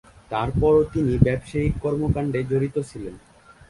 তারপরও তিনি ব্যবসায়িক কর্মকাণ্ডে জড়িত ছিলেন।